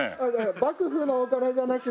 幕府のお金じゃなくて。